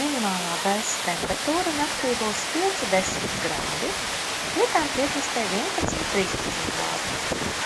Minimālā gaisa temperatūra naktī būs pieci desmit grādi, vietām piekrastē vienpadsmit trīspadsmit grādu.